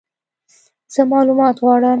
زه مالومات غواړم !